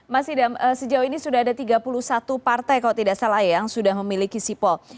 mas idam sejauh ini sudah ada tiga puluh satu partai kalau tidak salah ya yang sudah memiliki sipol